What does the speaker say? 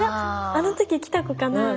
あの時来た子かなって。